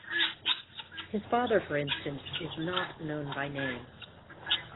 His father, for instance, is not known by name.